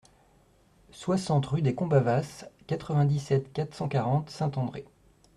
soixante rue des Combavas, quatre-vingt-dix-sept, quatre cent quarante, Saint-André